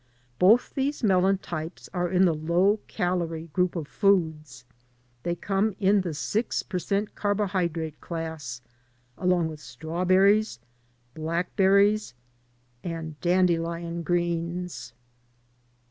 Both these melon types are in the low calorie group of foods. They come in the 6 per cent carbohydrate class along with strawberries, blackberries, and dandelion greens.